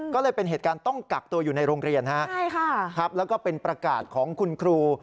ก็เลยเป็นเหตุการณ์ต้องกักตัวอยู่ในโรงเรียนแล้วก็เป็นประกาศของคุณครู